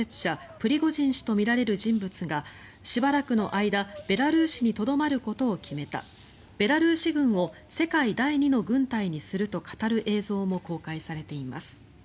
プリゴジン氏とみられる人物がしばらくの間、ベラルーシにとどまることを決めたベラルーシ軍を世界第２の軍隊にすると語る映像も公開されています。